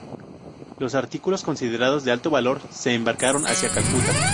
Los artículos considerados de alto valor se embarcaron hacia Calcuta.